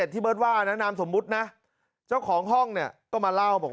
ที่เบิร์ตว่านะนามสมมุตินะเจ้าของห้องเนี่ยก็มาเล่าบอก